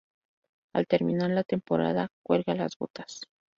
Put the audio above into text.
Al terminar la temporada cuelga las botas.